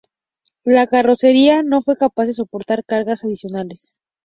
La carrocería no fue capaz de soportar cargas adicionales.